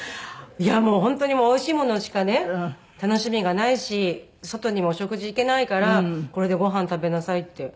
もう本当に「おいしいものしかね楽しみがないし外にもお食事行けないからこれでごはん食べなさい」って。